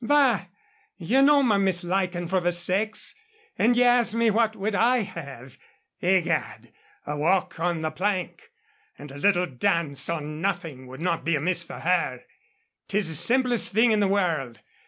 Bah! ye know my misliking for the sex, and ye ask me what would I have? Egad! a walk on the plank, and a little dance on nothing would not be amiss for her. 'Tis the simplest thing in the world.